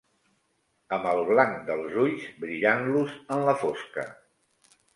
Amb el blanc dels ulls brillant-los en la fosca.